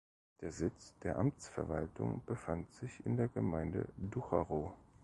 Der Sitz der Amtsverwaltung befand sich in der Gemeinde Ducherow.